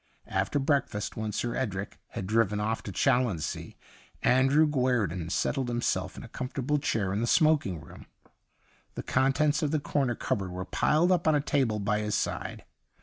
After break fast, when Sir Edric had driven off to Challonsea, Andrew Guerdon settled himself in a comfortable chair in the smoking room. The contents of the corner cupboard were piled up on a table by his side.